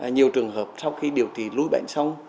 nhiều trường hợp sau khi điều trị lui bệnh xong